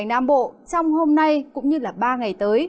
trong ngày nam bộ trong hôm nay cũng như ba ngày tới